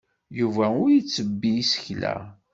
Yuba ur ittebbi isekla.